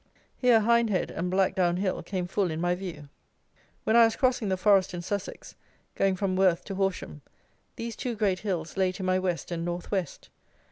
Here Hindhead and Black down Hill came full in my view. When I was crossing the forest in Sussex, going from Worth to Horsham, these two great hills lay to my west and north west.